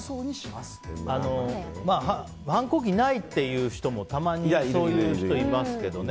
まあ、反抗期がないって人もたまにそういう人いますけどね。